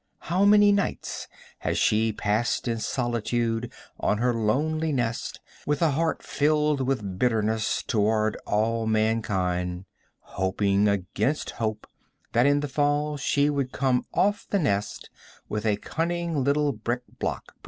How many nights has she passed in solitude on her lonely nest, with a heart filled with bitterness toward all mankind, hoping on against hope that in the fall she would come off the nest with a cunning little brick block, perhaps.